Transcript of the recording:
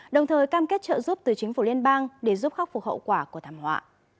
đồng thời cam kết trợ giúp từ chính phủ liên bang để giúp khắc phục hậu quả của thảm họa